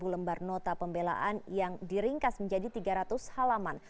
dua puluh lembar nota pembelaan yang diringkas menjadi tiga ratus halaman